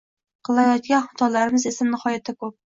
Qilayotgan xatolarimiz esa nihoyatda ko‘p.